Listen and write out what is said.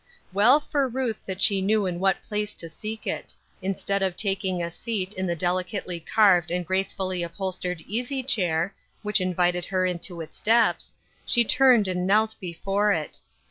Well for Ruth that she knew in what place to seek it. Instead of taking a seat in the deli cately carved and gracefully upholstered easy chair, which invited her into its depths, she turned and knelt before it.